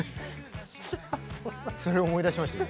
それを思い出しました今。